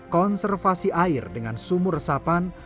konservasi air dengan sumur resapan